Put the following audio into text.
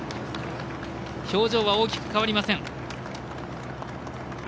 表情は大きく変わりません。